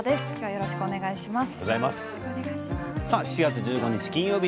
よろしくお願いします。